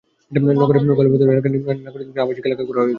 নগরের কৈবল্যধাম এলাকায় নিম্ন আয়ের নাগরিকদের জন্য আবাসিক এলাকা করা হয়েছিল।